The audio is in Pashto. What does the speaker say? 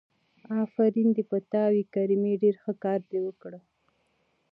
آفرين دې په تا وي کريمه ډېر ښه کار دې وکړ.